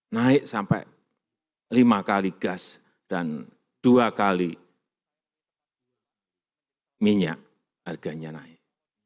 naik sampai lima kali gas dan dua kali minyak harganya naik